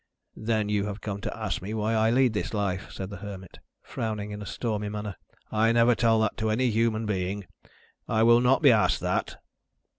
"Then you have come to ask me why I lead this life," said the Hermit, frowning in a stormy manner. "I never tell that to any human being. I will not be asked that."